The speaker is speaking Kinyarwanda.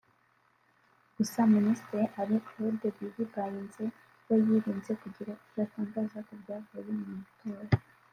Gusa Minisitiri Alain-Claude Bilie-By-Nze we yirinze kugira icyo atangaza ku byavuye mu matora